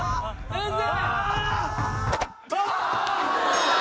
先生。